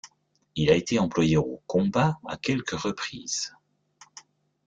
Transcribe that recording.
Il a été employé au combat à quelques reprises.